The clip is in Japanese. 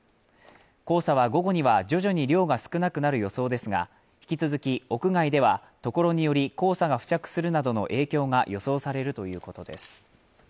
黄砂は午後には徐々に量が少なくなる予想ですが、引き続き屋外ではところにより黄砂が付着するなどの影響が予想されるということです。